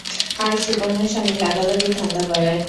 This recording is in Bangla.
আর সুপর্ণার স্বামী লাগালাগির ধান্দা করায়।